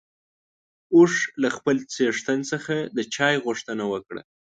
اوښ له خپل څښتن څخه د چای غوښتنه وکړه.